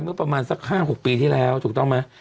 เมื่อประมาณสัก๕๖ปีที่แล้วถูกต้องไหม